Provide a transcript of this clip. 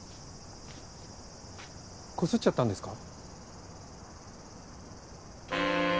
こすっちゃったんですか？